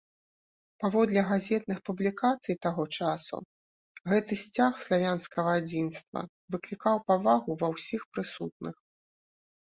Паводле газетных публікацый таго часу, гэты сцяг славянскага адзінства выклікаў павагу ва ўсіх прысутных.